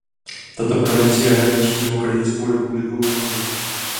Tato provincie hraničí s Demokratickou republikou Kongo.